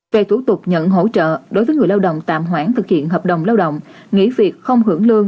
về thủ tục nhận hỗ trợ đối với người lao động tạm hoãn thực hiện hợp đồng lao động nghỉ việc không hưởng lương